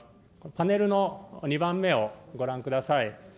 パネルの２番目をご覧ください。